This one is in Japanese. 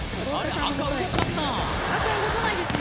赤動かないですね。